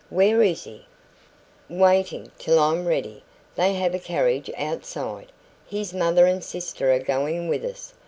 "Where is he?" "Waiting till I'm ready. They have a carriage outside. His mother and sister are going with us.